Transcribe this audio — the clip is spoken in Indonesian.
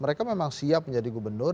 mereka memang siap menjadi gubernur